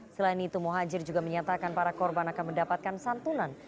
selain itu muhajir juga menyatakan para korban akan mendapatkan santunan